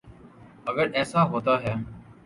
اگر ایسے ہوتا ہے۔